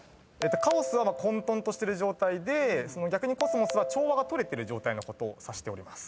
「カオス」は混沌としてる状態で逆に「コスモス」は調和が取れてる状態のことを指しております。